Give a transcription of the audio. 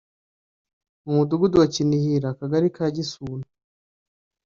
mu Mudugudu wa Kinihira Akagari ka Gisuna